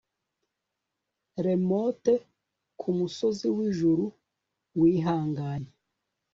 remote kumusozi wijuru, wihanganye